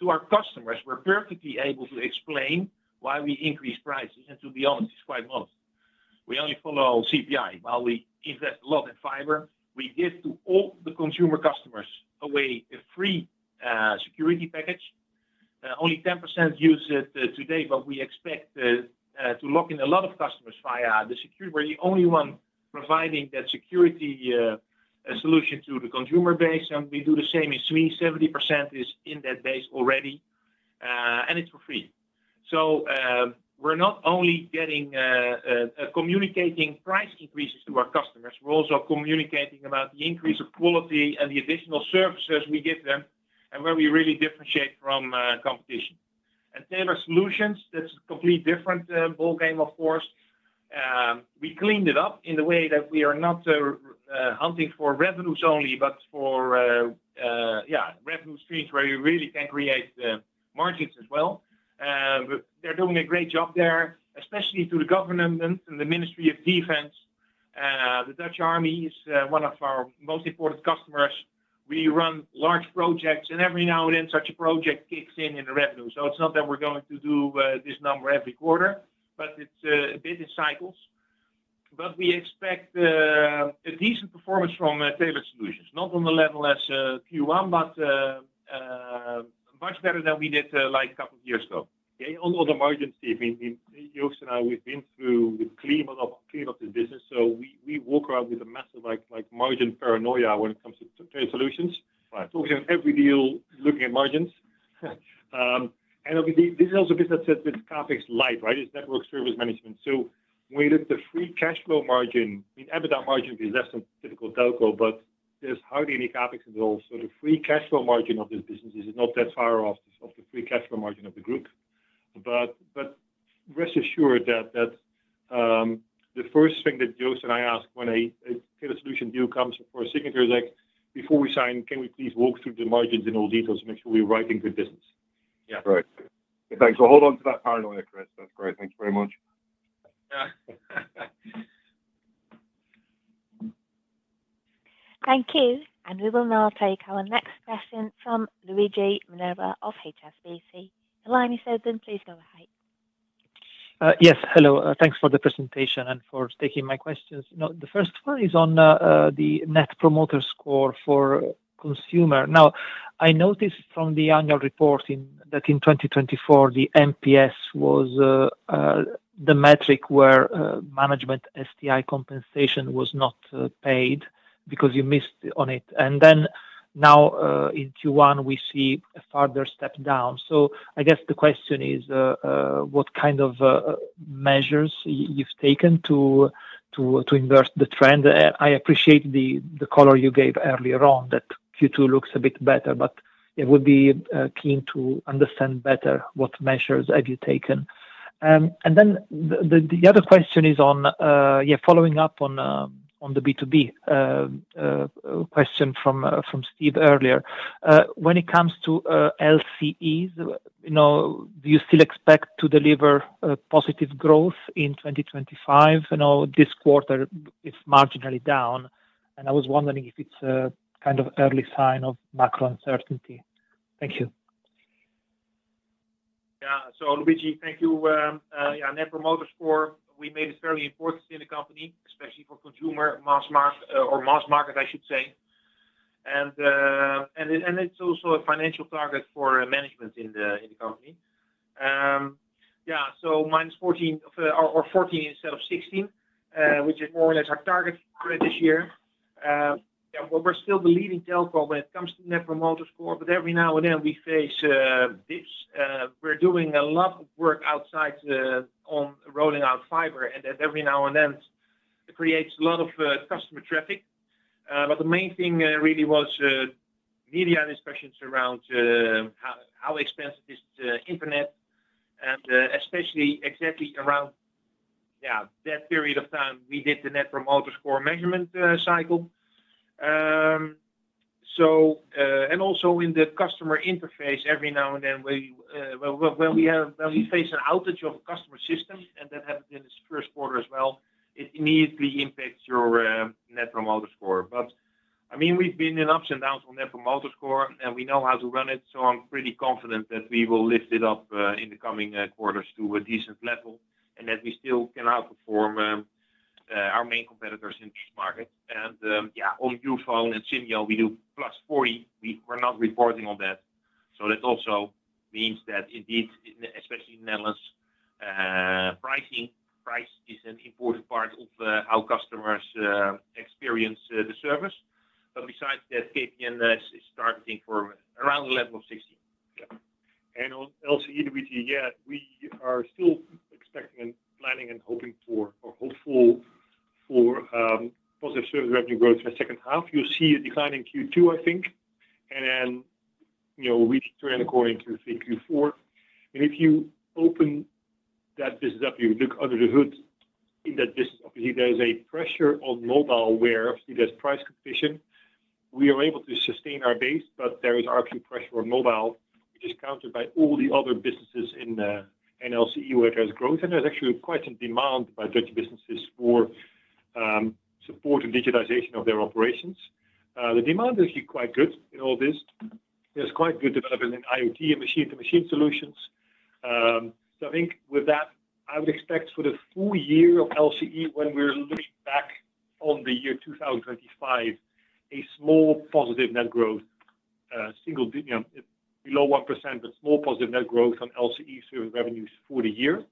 C: To our customers, we're perfectly able to explain why we increase prices. To be honest, it's quite low. We only follow CPI. While we invest a lot in fiber, we give to all the consumer customers a free security package. Only 10% use it today, but we expect to lock in a lot of customers via the security. We're the only one providing that security solution to the consumer base. We do the same in SME. 70% is in that base already. It is for free. We're not only communicating price increases to our customers, we're also communicating about the increase of quality and the additional services we give them and where we really differentiate from Tailored Solutions, that's a completely different ballgame, of course. We cleaned it up in the way that we are not hunting for revenues only, but for, yeah, revenue streams where you really can create margins as well. They're doing a great job there, especially to the government and the Ministry of Defense. The Dutch Army is one of our most important customers. We run large projects. Every now and then, such a project kicks in in the revenue. It's not that we're going to do this number every quarter, but it's a bit in cycles. We expect a decent performance Tailored Solutions, not on the level as Q1, but much better than we did like a couple of years ago.
D: On the margins, Steve, I mean, Joost and I, we've been through the cleanup of this business. We walk around with a massive margin paranoia when it comes Tailored Solutions. talking about every deal, looking at margins. Obviously, this is also a business that's CapEx light, right? It's network service management. When you look at the free cash flow margin, I mean, EBITDA margin is less than typical telco, but there's hardly any CapEx involved. The free cash flow margin of this business is not that far off of the free cash flow margin of the group. Rest assured that the first thing that Joost and I ask when a Tailored Solution deal comes for a signature is, before we sign, can we please walk through the margins in all details to make sure we're writing good business?
K: Yeah. Right. Thanks. Hold on to that paranoia, Chris. That's great. Thank you very much.
A: Thank you. We will now take our next question from Luigi Minerva of HSBC. The line is open. Please go ahead.
L: Yes. Hello. Thanks for the presentation and for taking my questions. The first one is on the Net Promoter Score for consumer. Now, I noticed from the annual report that in 2024, the NPS was the metric where management STI compensation was not paid because you missed on it. Now in Q1, we see a further step down. I guess the question is, what kind of measures you've taken to invert the trend? I appreciate the color you gave earlier on that Q2 looks a bit better, but I would be keen to understand better what measures have you taken. The other question is on, yeah, following up on the B2B question from Steve earlier. When it comes to LCEs, do you still expect to deliver positive growth in 2025? This quarter, it's marginally down. I was wondering if it's a kind of early sign of macro uncertainty. Thank you.
C: Yeah. Luigi, thank you. Net Promoter Score, we made it very important in the company, especially for consumer mass market, or mass market, I should say. It is also a financial target for management in the company. Minus 14 or 14 instead of 16, which is more or less our target for this year. We are still the leading telco when it comes to Net Promoter Score, but every now and then, we face dips. We are doing a lot of work outside on rolling out fiber. Every now and then, it creates a lot of customer traffic. The main thing really was media discussions around how expensive is the internet. Especially exactly around that period of time, we did the Net Promoter Score measurement cycle. Also in the customer interface, every now and then, when we face an outage of a customer system, and that happened in this first quarter as well, it immediately impacts your Net Promoter Score. I mean, we've been in ups and downs on Net Promoter Score, and we know how to run it. I'm pretty confident that we will lift it up in the coming quarters to a decent level and that we still can outperform our main competitors in this market. Yeah, on Youfone and Simyo, we do +40. We're not reporting on that. That also means that indeed, especially in the Netherlands, price is an important part of how customers experience the service. Besides that, KPN is targeting for around the level of 16. Yeah.
D: On LCE, Luigi, yeah, we are still expecting and planning and hoping for or hopeful for positive service revenue growth in the second half. You will see a decline in Q2, I think. We turn according to Q4. If you open that business up, you look under the hood in that business, obviously, there is a pressure on mobile where obviously there is price competition. We are able to sustain our base, but there is argued pressure on mobile, which is countered by all the other businesses in LCE where there is growth. There is actually quite some demand by Dutch businesses for support and digitization of their operations. The demand is actually quite good in all this. There is quite good development in IoT and machine-to-machine solutions. I think with that, I would expect for the full year of LCE, when we're looking back on the year 2025, a small positive net growth, below 1%, but small positive net growth on LCE service revenues for the year,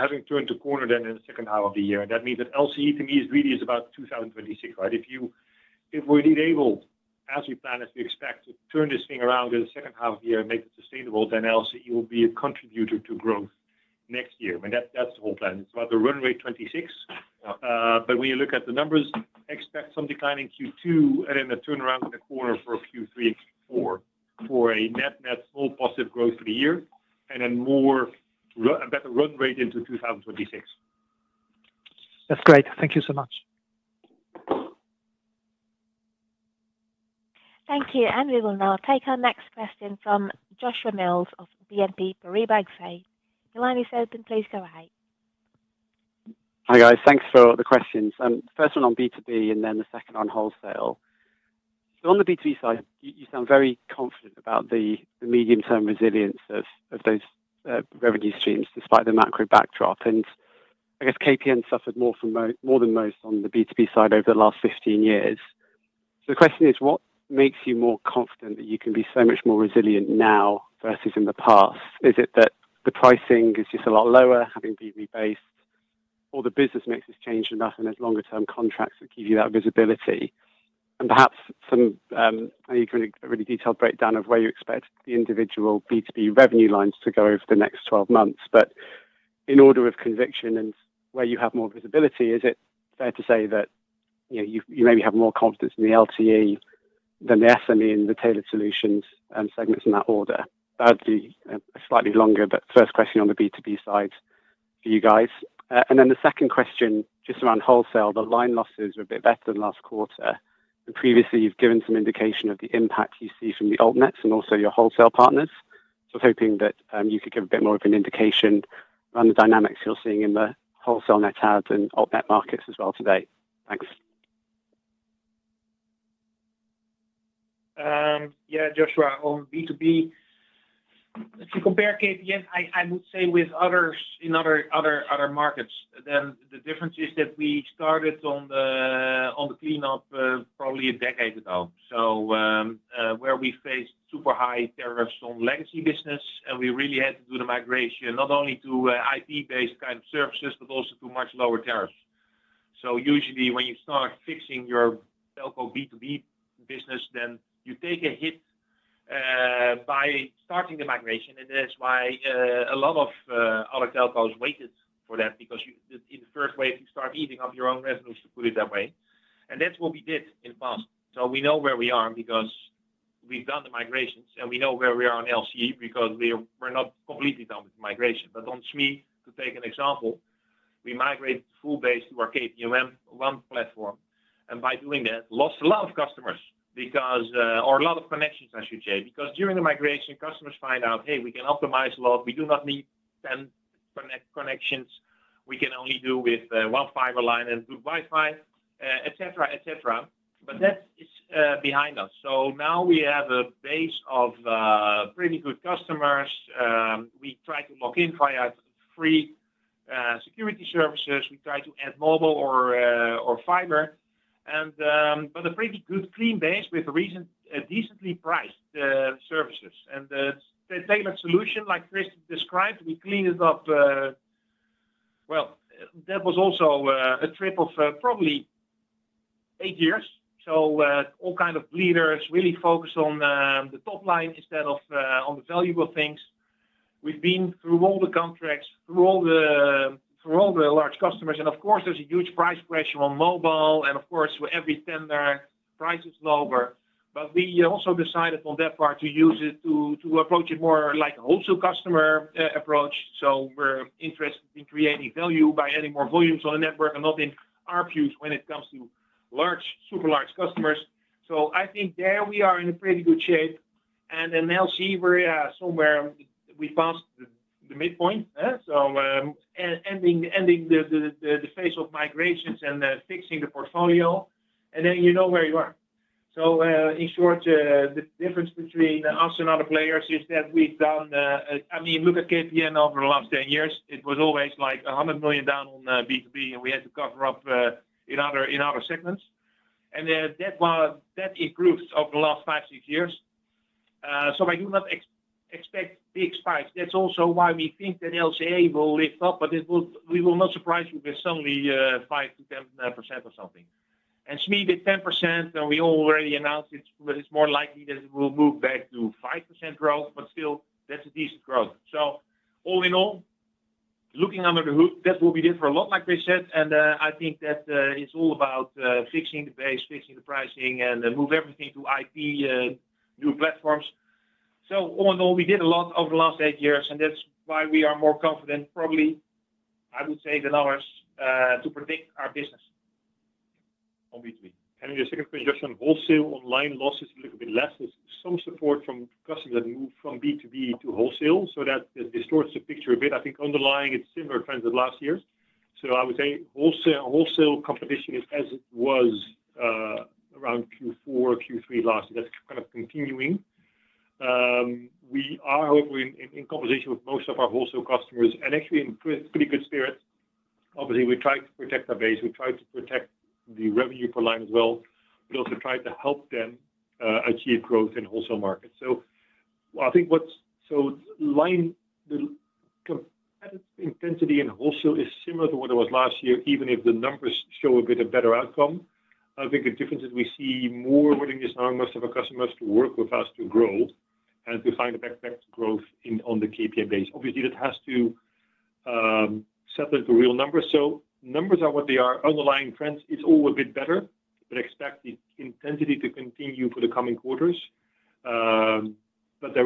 D: having turned the corner then in the second half of the year. That means that LCE to me is really about 2026, right? If we're indeed able, as we plan, as we expect to turn this thing around in the second half of the year and make it sustainable, then LCE will be a contributor to growth next year. I mean, that's the whole plan. It's about the run rate 26. When you look at the numbers, expect some decline in Q2 and then a turnaround in the corner for Q3 and Q4 for a net-net small positive growth for the year and then a better run rate into 2026.
L: That's great. Thank you so much.
A: Thank you. We will now take our next question from Joshua Mills of BNP Paribas Exane. The line is open. Please go ahead.
M: Hi guys. Thanks for the questions. First one on B2B and then the second on wholesale. On the B2B side, you sound very confident about the medium-term resilience of those revenue streams despite the macro backdrop. I guess KPN suffered more than most on the B2B side over the last 15 years. The question is, what makes you more confident that you can be so much more resilient now versus in the past? Is it that the pricing is just a lot lower, having been rebased, or the business mix has changed enough and there are longer-term contracts that give you that visibility? Perhaps some really detailed breakdown of where you expect the individual B2B revenue lines to go over the next 12 months. In order of conviction and where you have more visibility, is it fair to say that you maybe have more confidence in the LCE than the SME and Tailored Solutions segments in that order? That would be slightly longer, but first question on the B2B side for you guys. The second question, just around wholesale, the line losses were a bit better than last quarter. Previously, you've given some indication of the impact you see from the altnets and also your wholesale partners. I was hoping that you could give a bit more of an indication around the dynamics you're seeing in the wholesale net adds and altnet markets as well today. Thanks.
C: Yeah, Joshua, on B2B, if you compare KPN, I would say with others in other markets, then the difference is that we started on the cleanup probably a decade ago. Where we faced super high tariffs on legacy business, and we really had to do the migration not only to IP-based kind of services, but also to much lower tariffs. Usually, when you start fixing your telco B2B business, you take a hit by starting the migration. That is why a lot of other telcos waited for that because in the first wave, you start eating up your own revenues, to put it that way. That is what we did in the past. We know where we are because we've done the migrations. We know where we are on LCE because we're not completely done with the migration. On SME, to take an example, we migrated full base to our KPN One platform. By doing that, lost a lot of customers or a lot of connections, I should say, because during the migration, customers find out, "Hey, we can optimize a lot. We do not need 10 connections. We can only do with one fiber line and good Wi-Fi, etc., etc. That is behind us. Now we have a base of pretty good customers. We try to lock in via free security services. We try to add mobile or fiber. A pretty good clean base with decently priced services. The Tailored Solution, like Chris described, we cleaned it up. That was also a trip of probably eight years. All kinds of bleeders, really focused on the top line instead of on the valuable things. We've been through all the contracts, through all the large customers. Of course, there's a huge price pressure on mobile. Of course, every tender price is lower. We also decided on that part to use it to approach it more like a wholesale customer approach. We're interested in creating value by adding more volumes on the network and not in ARPUs when it comes to large, super large customers. I think there we are in a pretty good shape. In LCE, we're somewhere we passed the midpoint, ending the phase of migrations and fixing the portfolio. Then you know where you are. In short, the difference between us and other players is that we've done, I mean, look at KPN over the last 10 years. It was always like 100 million down on B2B, and we had to cover up in other segments. That improved over the last five, six years. I do not expect big spikes. That is also why we think that LCE will lift up, but we will not surprise you with suddenly 5%-10% or something. SME did 10%, and we already announced it is more likely that it will move back to 5% growth, but still, that is a decent growth. All in all, looking under the hood, that is what we did for a lot, like they said. I think that it is all about fixing the base, fixing the pricing, and moving everything to IP, new platforms. All in all, we did a lot over the last eight years, and that's why we are more confident, probably, I would say, than others to predict our business on B2B.
D: Just a quick question, Joshua, wholesale online loss is a little bit less. There's some support from customers that move from B2B to wholesale. That distorts the picture a bit. I think underlying, it's similar trends as last year. I would say wholesale competition is as it was around Q4, Q3 last year. That's kind of continuing. We are, however, in conversation with most of our wholesale customers. Actually, in pretty good spirits, obviously, we tried to protect our base. We tried to protect the revenue per line as well. We also tried to help them achieve growth in wholesale markets. I think the competitive intensity in wholesale is similar to what it was last year, even if the numbers show a bit of better outcome. I think the difference is we see more willingness among most of our customers to work with us to grow and to find a back-to-back growth on the KPN base. Obviously, that has to settle into real numbers. Numbers are what they are. Underlying trends, it's all a bit better, but expect the intensity to continue for the coming quarters. There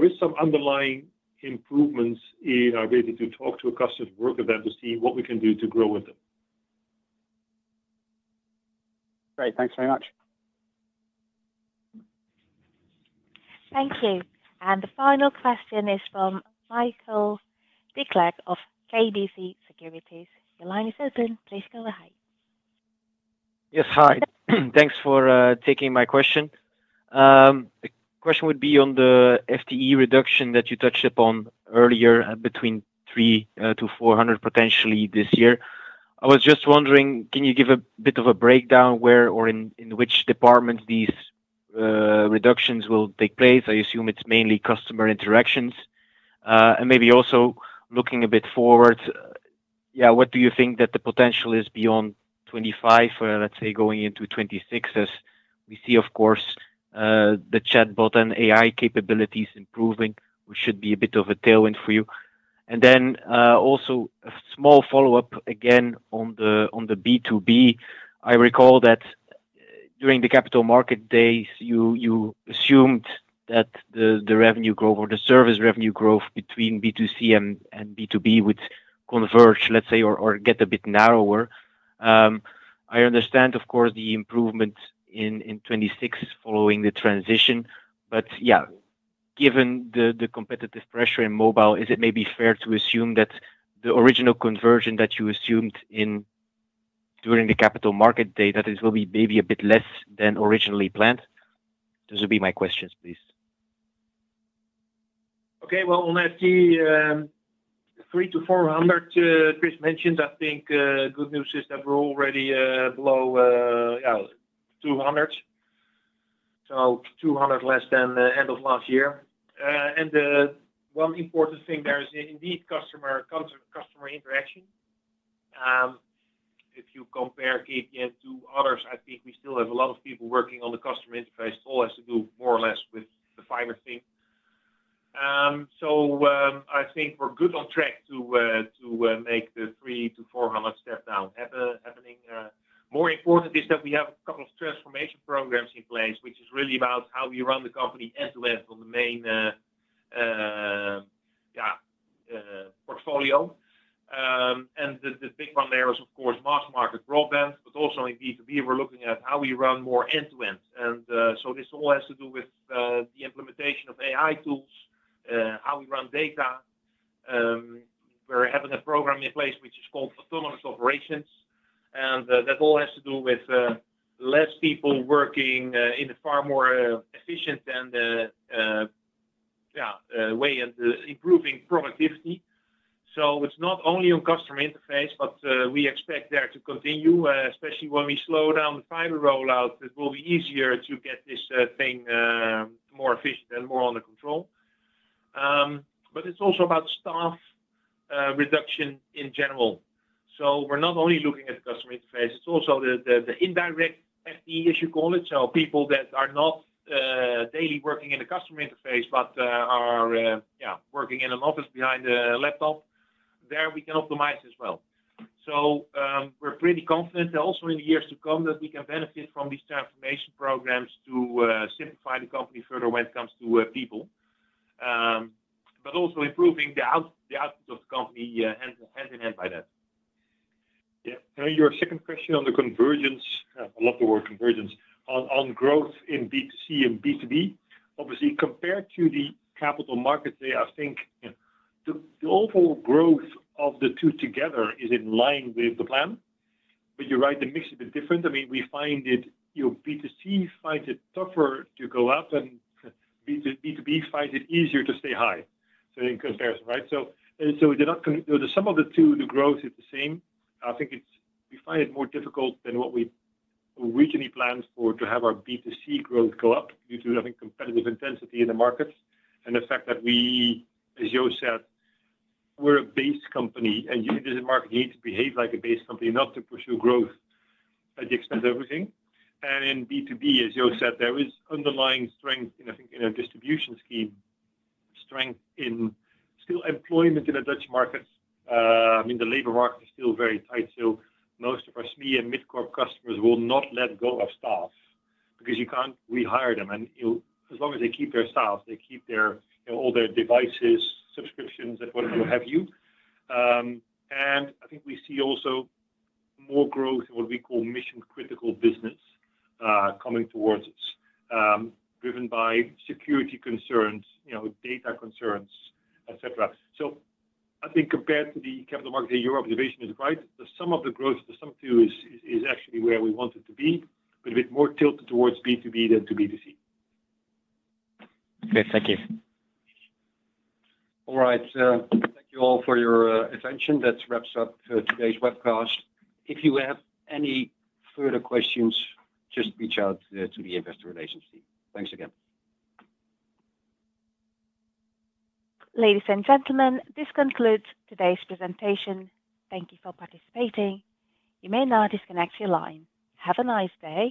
D: are some underlying improvements in our ability to talk to our customers, work with them to see what we can do to grow with them.
M: Great. Thanks very much.
A: Thank you. The final question is from Michiel Declercq of KBC Securities. Your line is open. Please go ahead.
N: Yes, hi. Thanks for taking my question. The question would be on the FTE reduction that you touched upon earlier between 300-400 potentially this year. I was just wondering, can you give a bit of a breakdown where or in which departments these reductions will take place? I assume it's mainly customer interactions. Maybe also looking a bit forward, what do you think that the potential is beyond 2025, let's say going into 2026 as we see, of course, the chatbot and AI capabilities improving, which should be a bit of a tailwind for you. Also a small follow-up again on the B2B. I recall that during the Capital Markets Day, you assumed that the revenue growth or the service revenue growth between B2C and B2B would converge, let's say, or get a bit narrower. I understand, of course, the improvement in 2026 following the transition. Yeah, given the competitive pressure in mobile, is it maybe fair to assume that the original conversion that you assumed during the capital market day, that it will be maybe a bit less than originally planned? Those would be my questions, please.
C: Okay. On FTE, 300-400, Chris mentioned. I think good news is that we're already below, yeah, 200. So 200 less than end of last year. One important thing there is indeed customer interaction. If you compare KPN to others, I think we still have a lot of people working on the customer interface. It all has to do more or less with the fiber thing. I think we're good on track to make the 300-400 step down happening. More important is that we have a couple of transformation programs in place, which is really about how we run the company end-to-end on the main, yeah, portfolio. The big one there is, of course, mass market broadband. Also in B2B, we're looking at how we run more end-to-end. This all has to do with the implementation of AI tools, how we run data. We're having a program in place which is called Autonomous Operations. That all has to do with less people working in a far more efficient and, yeah, way and improving productivity. It's not only on customer interface, but we expect that to continue, especially when we slow down the fiber rollout. It will be easier to get this thing more efficient and more under control. It's also about staff reduction in general. We're not only looking at the customer interface. It's also the indirect FTE, as you call it. People that are not daily working in the customer interface but are, yeah, working in an office behind a laptop, there we can optimize as well. We're pretty confident also in the years to come that we can benefit from these transformation programs to simplify the company further when it comes to people, but also improving the output of the company hand in hand by that. Yeah.
D: Your second question on the convergence, I love the word convergence, on growth in B2C and B2B, obviously, compared to the capital markets, I think the overall growth of the two together is in line with the plan. You're right, the mix is a bit different. I mean, we find it B2C finds it tougher to go up, and B2B finds it easier to stay high in comparison, right? Some of the two, the growth is the same. I think we find it more difficult than what we originally planned for to have our B2C growth go up due to, I think, competitive intensity in the markets and the fact that we, as Joost said, we're a base company. In this market, you need to behave like a base company not to pursue growth at the expense of everything. In B2B, as Joost said, there is underlying strength, I think, in a distribution scheme, strength in still employment in the Dutch markets. I mean, the labor market is still very tight. Most of our SME and mid-corp customers will not let go of staff because you can't rehire them. As long as they keep their staff, they keep all their devices, subscriptions, and whatever you have you. I think we see also more growth in what we call mission-critical business coming towards us, driven by security concerns, data concerns, etc. I think compared to the capital markets, your observation is right. The sum of the growth, the sum too, is actually where we want it to be, but a bit more tilted towards B2B than to B2C.
N: Good. Thank you.
B: All right. Thank you all for your attention. That wraps up today's webcast. If you have any further questions, just reach out to the investor relations team. Thanks again.
A: Ladies and gentlemen, this concludes today's presentation. Thank you for participating. You may now disconnect your line. Have a nice day.